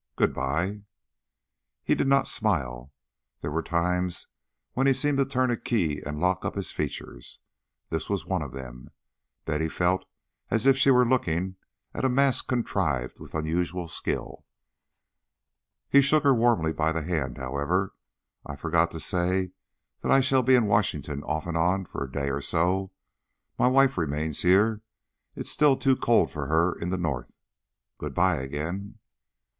Good bye." He did not smile. There were times when he seemed to turn a key and lock up his features. This was one of them. Betty felt as if she were looking at a mask contrived with unusual skill. He shook her warmly by the hand, however. "I forgot to say that I shall be in Washington off and on for a day or so. My wife remains here. It is still too cold for her in the North. Good bye again."